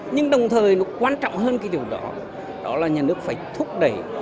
nhưng đồng thời nó quan trọng hơn cái điều đó đó là nhà nước phải thúc đẩy